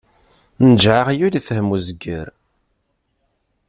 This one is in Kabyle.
Njeɛ aɣyul, ifhem uzger.